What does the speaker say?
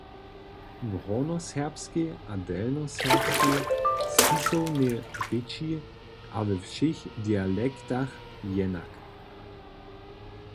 W hornjoserbskej a delnjoserbskej spisownej rěči a we wšěch dialektach jenak.